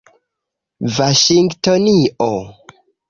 vaŝingtonio